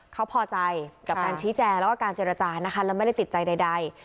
เขาพอใจกับการชี้แจงแล้วก็การเจรจานะคะแล้วไม่ได้ติดใจใด